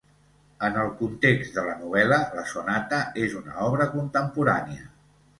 En el context de la novel·la, la sonata és una obra contemporània.